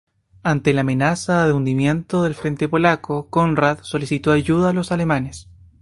Ante la amenaza de hundimiento del frente polaco, Conrad solicitó ayuda a los alemanes.